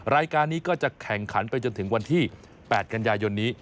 รายการนี้ก็จะแข่งขันไปจนถึงวันที่๘กันยายนนี้